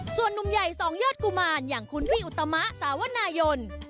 ส่วนนุ่มใหญ่สองยอดกุมารอย่างคุณหุ้ยอุตมะสาวนายน